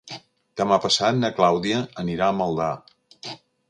Demà passat na Clàudia anirà a Maldà.